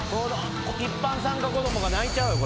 一般参加子どもが泣いちゃうよ